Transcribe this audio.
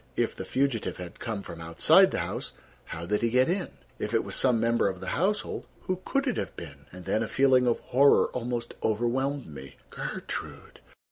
If the fugitive had come from outside the house, how did he get in? If it was some member of the household, who could it have been? And then—a feeling of horror almost overwhelmed me. Gertrude!